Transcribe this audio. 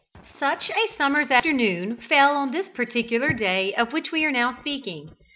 P. 305] Such a summer's afternoon fell on this particular day of which we are now speaking.